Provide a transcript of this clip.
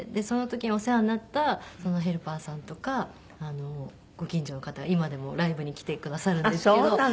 その時にお世話になったヘルパーさんとかご近所の方今でもライブに来てくださるんですけど。